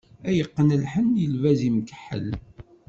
Ad yeqqen lḥenni, lbaz imkeḥḥel.